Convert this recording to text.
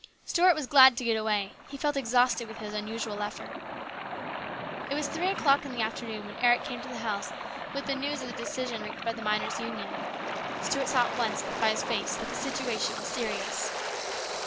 Stuart was glad to get away. He felt exhausted with his unusual effort. It was three o'clock in the afternoon when Eric LARGE RESPONSIBILITIES. 59 came to the house with the news of the decision reached by the miners' Union. Stuart at once saw by his face that the situation was serious.